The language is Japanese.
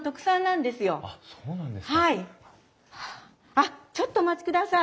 あっちょっとお待ちください。